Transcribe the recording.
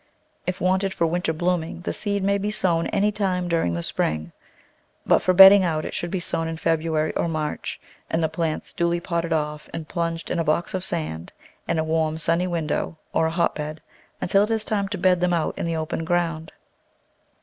If wanted for win ter blooming the seed may be sown any time during the spring, but for bedding out it should be sown in February or March, and the plants duly potted off and plunged in a box of sand in a warm, sunny win dow, or a hotbed, until it is time to bed them out in the open ground.